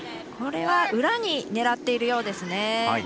これは裏に狙っているようですね。